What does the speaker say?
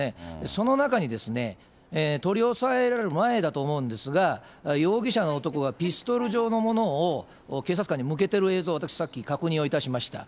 その中にですね、取り押さえられる前だと思うんですが、容疑者の男がピストル状のものを警察官に向けてる映像、私、さっき確認をいたしました。